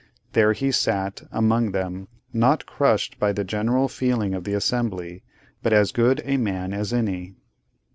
There he sat, among them; not crushed by the general feeling of the assembly, but as good a man as any.